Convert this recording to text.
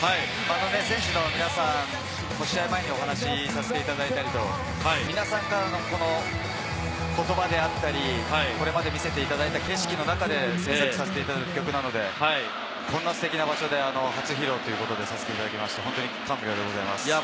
選手の皆さんと試合前にお話させていただいたり、皆さんからの言葉であったり、これまで見せていただいた景色の中で制作させていただいた曲なので、こんなステキな場所で初披露ということをさせてもらって感無量でございます。